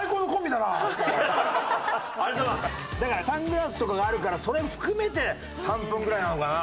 だからサングラスとかがあるからそれを含めて３分ぐらいなのかな？